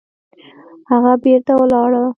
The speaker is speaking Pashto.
هغه بېرته ولاړه